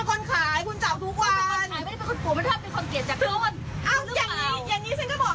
ไม่คุณขายคุณจับทุกวันคุณก็ต้องรู้ดิ